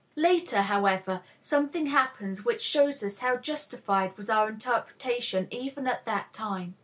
Later, however, something happens which shows us how justified was our interpretation even at that time.